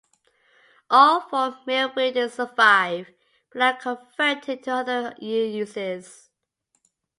All four mill buildings survive, but now converted to other uses.